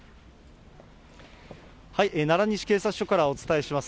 奈良西警察署からお伝えします。